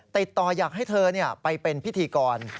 ติดต่ออยากให้เธอไปเป็นพิธีกร